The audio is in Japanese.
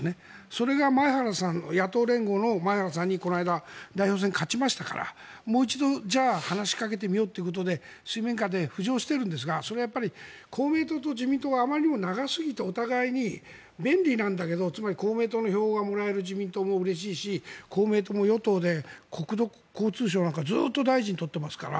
それが前原さん野党連合の前原さんにこの間代表戦勝ちましたからもう一度じゃあ話しかけてみようということで水面下で浮上しているんですがそれは公明党と自民党があまりに長すぎてお互いに便利なんだけどつまり公明党の票がもらえる自民党もうれしいし公明党も与党で国土交通省なんかずっと大臣を取っていますから。